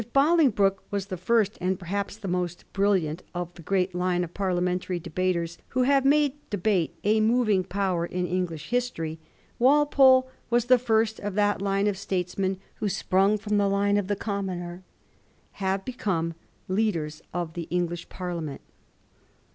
If Boling broke was the first, and perhaps the most brilliant, of the great line of Parliamentary debaters who have made debate a moving power in English history, Walpole was the first of that line of statesmen who, sprung fix)m the class of the * Commoner,' have become leaders of the English Parliament.